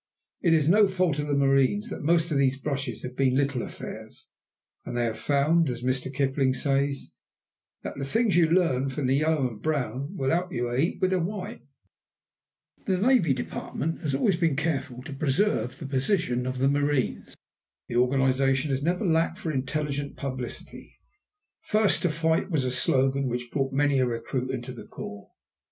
It is no fault of the marines that most of these brushes have been little affairs, and they have found, as Mr. Kipling says, that "the things that you learn from the yellow and brown will 'elp you a heap with the white." The Navy Department has always been careful to preserve the tradition of the marines. The organization has never lacked for intelligent publicity. "First to fight" was a slogan which brought many a recruit into the corps.